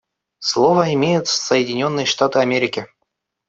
Слово имеют Соединенные Штаты Америки.